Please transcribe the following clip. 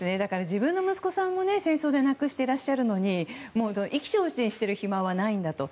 自分の息子さんも戦争で亡くしていらっしゃるのに意気消沈している暇はないんだと。